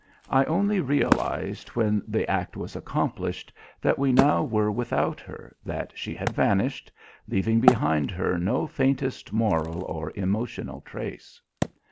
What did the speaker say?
I only realized, when the act was accomplished, that we now were without her, that she had vanished, leaving behind her no faintest moral or emotional trace.